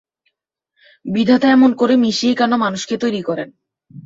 বিধাতা এমন করে মিশিয়ে কেন মানুষকে তৈরি করেন?